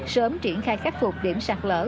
sớm triển khai khắc phục điểm sạt lỡ